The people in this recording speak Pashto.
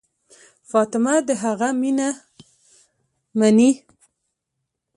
فاطمه د هغه مینه مني.